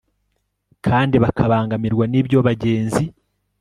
kandi bakabangamirwa n'ibyo bagenzi